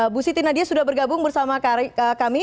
bu siti nadia sudah bergabung bersama kami